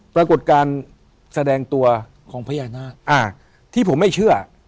ปรากฏการณ์แสดงตัวของพญานาคที่ผมไม่เชื่อ